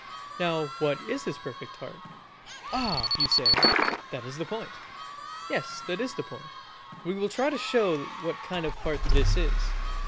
Now, what is this perfect heart? "Ah!" you say, "that is the point." Yes, that is the point, and we will try to show what kind of a heart this is.